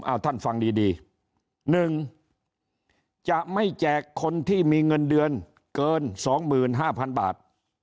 อ้าวท่านฟังดีดีหนึ่งจะไม่แจกคนที่มีเงินเดือนเกินสองหมื่นห้าพันบาท